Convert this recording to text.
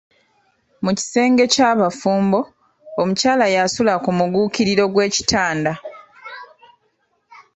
Mu kisenge ky’abafumbo, omukyala y’asula ku mugguukiriro gw’ekitanda.